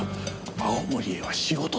青森へは仕事で。